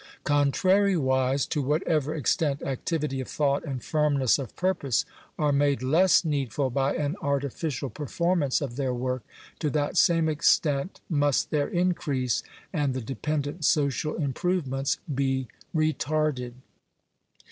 Contrariwise, to whatever extent activity of thought and firmness of purpose are made less needful by an artificial performance of their work, to that same extent must their increase, and the dependent social improvements, be retarded.